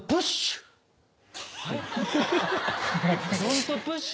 ドントプッシュ。